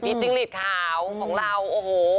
พี่จิ๊งฤทธิ์ขาวของเราโอ้โห